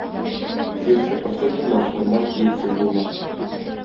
Җир чокырсыз булмас, урман киексез булмас.